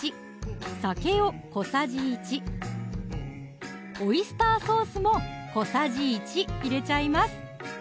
酒を小さじ１オイスターソースも小さじ１入れちゃいます